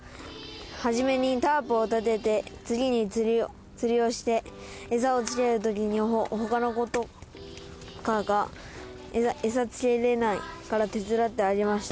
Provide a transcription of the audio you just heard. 「初めにタープを建てて次に釣りをして餌をつけるときに他の子とかが餌つけれないから手伝ってあげました」